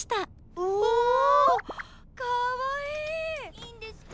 いいんですか？